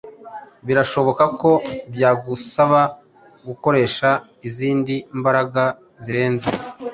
birashoboka ko byagusaba gukoresha izindi mbaraga zirenze,